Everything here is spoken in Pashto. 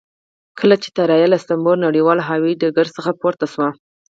کله چې الوتکه له استانبول نړیوال هوایي ډګر څخه پورته شوه.